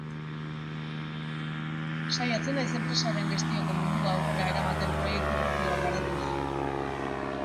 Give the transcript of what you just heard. Saiatzen naiz enpresaren gestioko mundua aurrera eramaten proiektu propioak garatuz.